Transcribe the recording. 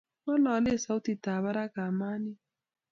ngololi ago sautitab baraka kamanin